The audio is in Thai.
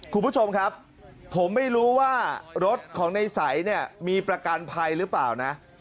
คุณผู้ชมครับผมไม่รู้ว่ารถของในใสเนี่ยมีประกันภัยหรือเปล่านะ